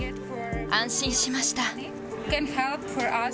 安心しました。